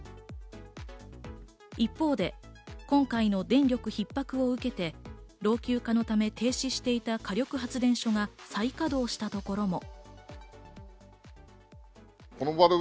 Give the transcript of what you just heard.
一方で、今回の電力ひっ迫を受けて、老朽化のため停止していた火力発電所が再稼働した所も。